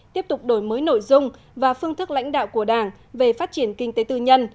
tiếp tục đổi mới nội dung và phương thức lãnh đạo của đảng về phát triển kinh tế tư nhân